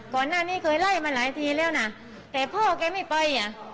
ก่อนหน้านี้เคยไล่มาหลายทีแล้วนะแต่พ่อแกไม่ไปอ่ะ